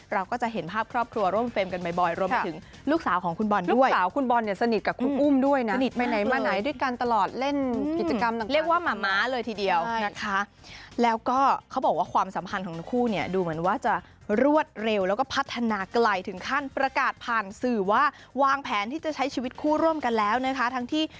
เราก็จะเห็นภาพครอบครัวร่วมเฟรมกันบ่อยรวมไปถึงลูกสาวของคุณบอลด้วยสาวคุณบอลเนี่ยสนิทกับคุณอุ้มด้วยนะสนิทไปไหนมาไหนด้วยกันตลอดเล่นกิจกรรมเรียกว่าหมาม้าเลยทีเดียวนะคะแล้วก็เขาบอกว่าความสัมพันธ์ของทั้งคู่เนี่ยดูเหมือนว่าจะรวดเร็วแล้วก็พัฒนาไกลถึงขั้นประกาศผ่านสื่อว่าวางแผนที่จะใช้ชีวิตคู่ร่วมกันแล้วนะคะทั้งที่